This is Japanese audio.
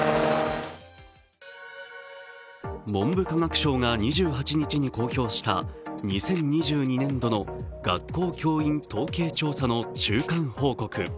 文部科学省が２８日に公表した２０２２年度の学校教員統計調査の中間報告。